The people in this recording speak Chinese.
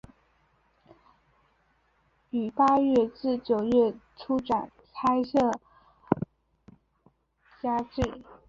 于八月至九月初展开连胜佳绩。